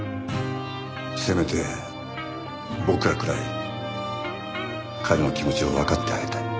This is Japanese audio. せめて僕らくらい彼の気持ちをわかってあげたい。